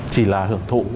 chỉ là hưởng thụ